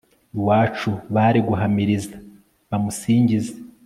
iwacu bazi guhamiriza bamusingize